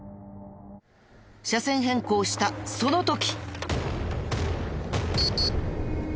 車線変更したその時！